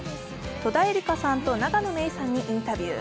戸田恵梨香さんと永野芽郁さんにインタビュー。